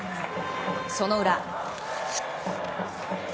その裏。